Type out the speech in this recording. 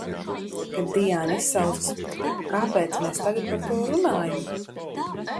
Kad Diāna izsaucas – kāpēc mēs tagad par to runājam!